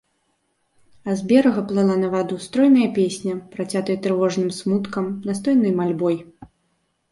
А з берага плыла на ваду стройная песня, працятая трывожным смуткам, настойнай мальбой.